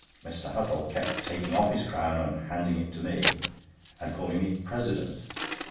Mr. Huttle kept taking off this crown and handing it to me, and calling me "President."